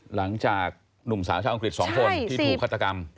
หนุ่มสาวชาวอังกฤษ๒คนที่ถูกฆาตกรรม